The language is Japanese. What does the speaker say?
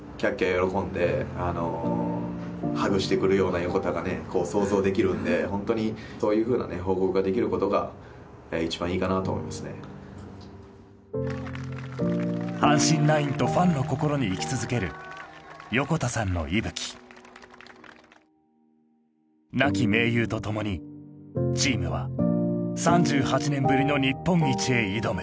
喜んであのハグしてくるような横田がねこう想像できるんでホントにそういうふうなね報告ができることが一番いいかなと思いますね阪神ナインとファンの心に生き続ける横田さんの息吹亡き盟友と共にチームは３８年ぶりの日本一へ挑む